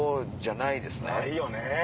ないよね。